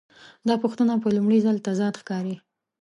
دا پوښتنه په لومړي ځل تضاد ښکاري.